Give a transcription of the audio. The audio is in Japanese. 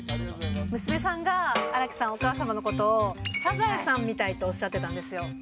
娘さんが荒木さん、お母様のことをサザエさんみたいとおっしゃってたんですよ。